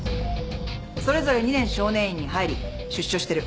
それぞれ２年少年院に入り出所してる。